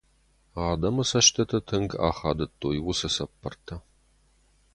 Адӕмы цӕстыты тынг ахадыдтой уыцы цӕппӕртӕ.